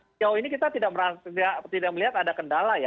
sejauh ini kita tidak melihat ada kendala ya